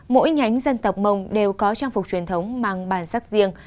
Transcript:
mỗi nhánh dân tộc mông đều có trang phục truyền thống mang bản sắc riêng